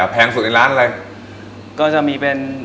แพงสุดในร้านอะไร